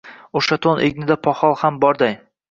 O’sha to’n egnida poxol ham borday